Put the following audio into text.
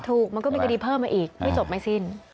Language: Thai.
ถูกมันก็เป็นคดีเพิ่มอีกไม่จบไม่สิ้น